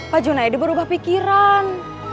pak junaedi berubah pikiran